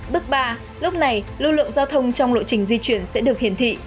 bước ba lúc này lưu lượng giao thông trong lộ trình di chuyển sẽ được hiển thị